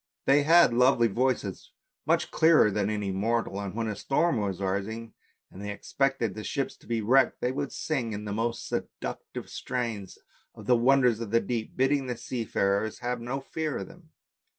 They had lovely voices, much clearer than any mortal, and when a storm was rising, and they expected ships to be wrecked, they would sing in the most seduc tive strains of the wonders of the deep, bidding the seafarers have no fear of them.